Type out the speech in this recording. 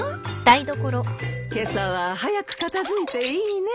今朝は早く片付いていいね。